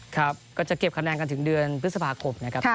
ครับก็จะเก็บคะแนนกันถึงเดือนพฤษภาคมนะครับ